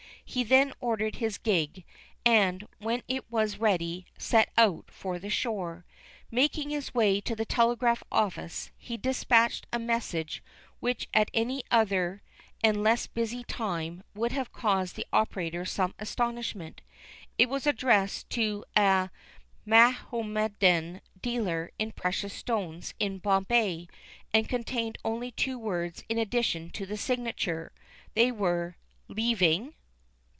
He then ordered his gig, and, when it was ready, set out for the shore. Making his way to the telegraph office, he dispatched a message which at any other and less busy, time, would have caused the operator some astonishment. It was addressed to a Mahommedan dealer in precious stones in Bombay, and contained only two words in addition to the signature. They were: "Leaving?